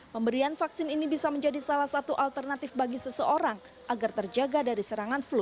pemberian vaksin ini bisa menjadi salah satu alternatif bagi seseorang agar terjaga dari serangan flu